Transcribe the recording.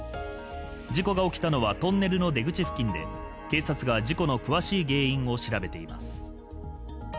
事故が起きたのはトンネルの出口付近で警察が事故の詳しい原因を調べています。